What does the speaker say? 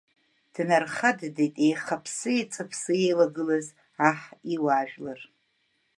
Днархадыдит, еихаԥсы-еиҵаԥсы еилагылаз аҳ иуаажәлар.